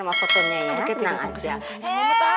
ya ya ya senang aja